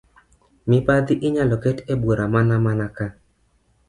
Mibadhi inyalo ket e bur mana mana ka